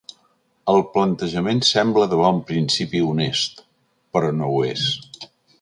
El plantejament sembla de bon principi honest, però no ho és.